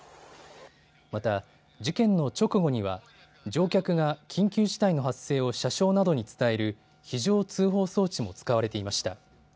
また、事件の直後には乗客が緊急事態の発生を車掌などに伝える非常通報装置も使われていました。